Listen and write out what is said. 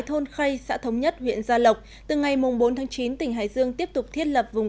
thôn khay xã thống nhất huyện gia lộc từ ngày bốn tháng chín tỉnh hải dương tiếp tục thiết lập vùng